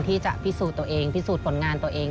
ที่จะพิสูจน์ตัวเองพิสูจน์ผลงานตัวเอง